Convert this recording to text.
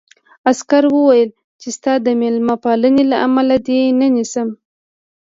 عسکر وویل چې ستا د مېلمه پالنې له امله دې نه نیسم